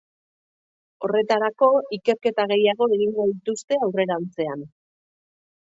Horretarako, ikerketa gehiago egingo dituzte aurrerantzean.